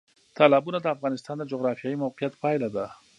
تالابونه د افغانستان د جغرافیایي موقیعت پایله ده.